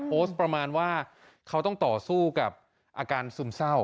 ประมาณว่าเขาต้องต่อสู้กับอาการซึมเศร้า